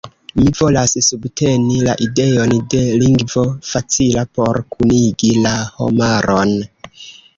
Mi volas subteni la ideon de lingvo facila por kunigi la homaron.